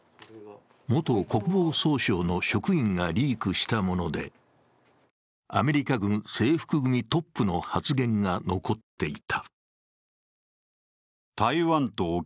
元国防総省の職員がリークしたもので、アメリカ軍制服組トップの発言が残っていた。